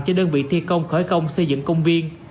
cho đơn vị thi công khởi công xây dựng công viên